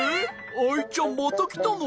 アイちゃんまたきたの？